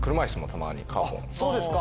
そうですか！